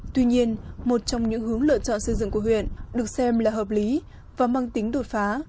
tuy nhiên một trong những hướng lựa chọn xây dựng của huyện được xem là hợp lý và mang tính đột phá